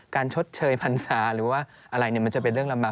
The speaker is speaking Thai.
ชดเชยพรรษาหรือว่าอะไรมันจะเป็นเรื่องลำบาก